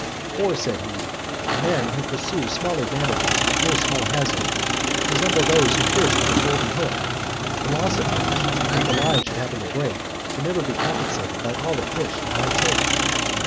For," said he, "men who pursue small advantages with no small hazard, resemble those who fish with a golden hook, the loss of which, if the line should happen to break, could never be compensated by all the fish they might take."